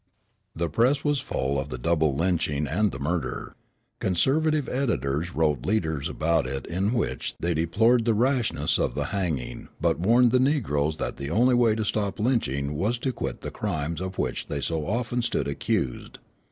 The press was full of the double lynching and the murder. Conservative editors wrote leaders about it in which they deplored the rashness of the hanging but warned the negroes that the only way to stop lynching was to quit the crimes of which they so often stood accused.